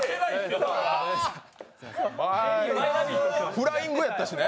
フライングやったしね。